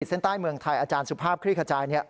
เส้นใต้เมืองไทยอาจารย์สุภาพคลี่ขจาย